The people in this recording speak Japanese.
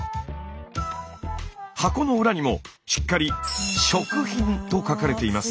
箱の裏にもしっかり「食品」と書かれています。